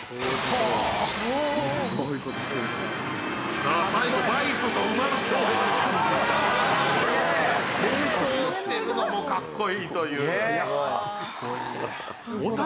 「さあ最後バイクと馬の共演」並走してるのもかっこいいという。